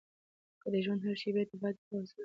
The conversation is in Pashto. د ژوند هرې شېبې ته باید په پوره حوصله وګورو.